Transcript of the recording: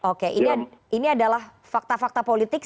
oke ini adalah fakta fakta politik